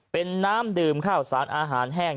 เป็นน้ำดื่มข้าวสารอาหารแห้ง